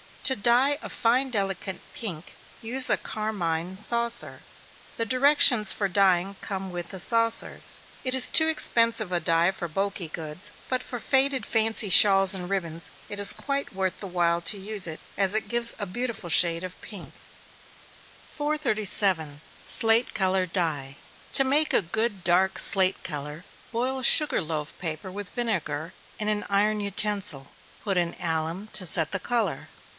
To dye a fine delicate pink, use a carmine saucer the directions for dyeing come with the saucers. It is too expensive a dye for bulky goods, but for faded fancy shawls and ribbons, it is quite worth the while to use it, as it gives a beautiful shade of pink. 437. Slate Colored Dye. To make a good dark slate color, boil sugar loaf paper with vinegar, in an iron utensil put in alum to set the color.